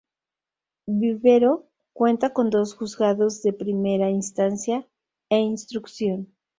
Vivero cuenta con dos Juzgados de Primera Instancia e Instrucción.